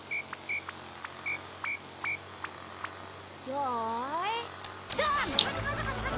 よいどん！